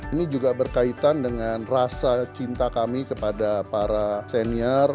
ini juga berkaitan dengan rasa cinta kami kepada para senior